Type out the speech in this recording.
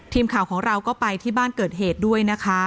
ทีมข่าวของเราก็ไปที่บ้านเกิดเหตุด้วยนะคะ